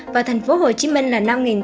và tp hcm là năm tám trăm tám mươi chín